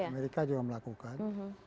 amerika juga melakukan